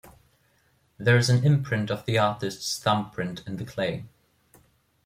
There is an imprint of the artist's thumbprint in the clay.